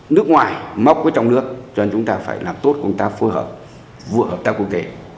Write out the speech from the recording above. nước ngoài móc ở trong nước cho nên chúng ta phải làm tốt công tác phối hợp vừa hợp tác quốc tế